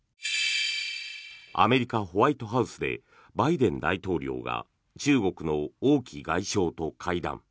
アメリカ・ホワイトハウスでバイデン大統領が中国の王毅外相と会談。